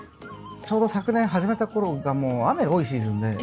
ちょうど昨年始めた頃がもう雨が多いシーズンで。